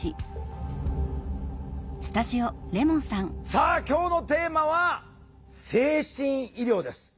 さあ今日のテーマは「精神医療」です。